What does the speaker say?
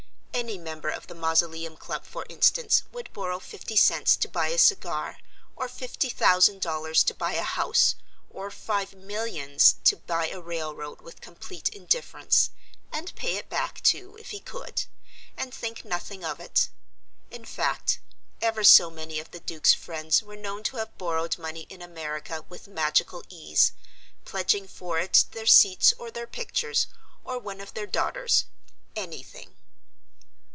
Any member of the Mausoleum Club, for instance, would borrow fifty cents to buy a cigar, or fifty thousand dollars to buy a house, or five millions to buy a railroad with complete indifference, and pay it back, too, if he could, and think nothing of it. In fact, ever so many of the Duke's friends were known to have borrowed money in America with magical ease, pledging for it their seats or their pictures, or one of their daughters anything.